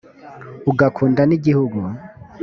ugakunda nigihugu.